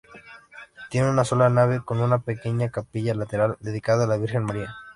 Tiene una sola nave, con una pequeña capilla lateral dedicada a la virgen María.